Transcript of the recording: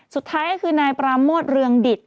สุดท้ายก็คือนายปราโมทเรืองดิต